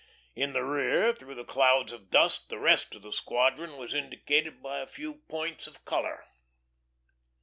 In the rear, through clouds of dust, the rest of the squadron was indicated by a few points of colour.